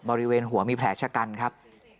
บริเวณหัวมีแผลชะกันครับ